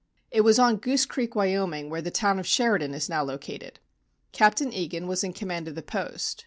It was on Goose Creek, Wyoming, where the town of Sheridan is now located. Captain Egan was in command of the post.